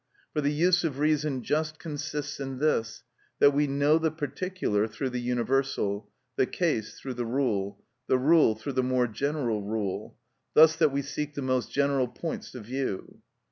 For the use of reason just consists in this, that we know the particular through the universal, the case through the rule, the rule through the more general rule; thus that we seek the most general points of view.